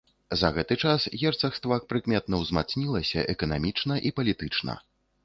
За гэты час герцагства прыкметна ўзмацнілася эканамічна і палітычна.